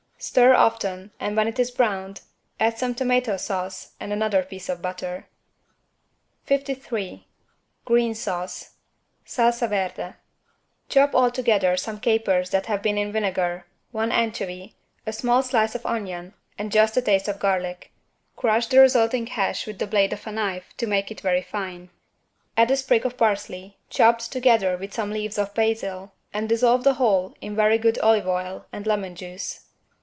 Stir often and when it is browned add some tomato sauce and another piece of butter. 53 GREEN SAUCE (Salsa verde) Chop all together some capers that have been in vinegar, one anchovy, a small slice of onion and just a taste of garlic. Crush the resulting hash with the blade of a knife to make it very fine. Add a sprig of parsley, chopped together with some leaves of basil and dissolve the whole in very good olive oil and lemon juice.